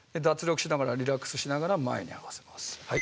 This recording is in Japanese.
脱力しながらリラックスしながら前に合わせます。